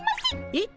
えっ？